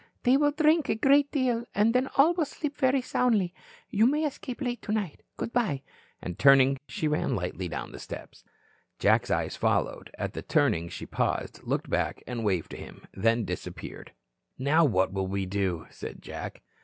"They will drink a great deal, and then all will sleep very soundly. You may escape late tonight. Good bye," and turning, she ran lightly down the steps. Jack's eyes followed. At the turning, she paused, looked back, and waved to him, then disappeared. "Now what will we do?" said Jack.